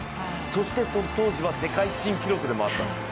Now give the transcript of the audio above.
そしてその当時は世界新記録でもあったんです。